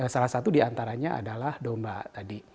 salah satu diantaranya adalah domba tadi